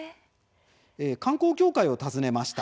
観光協会を訪ねました。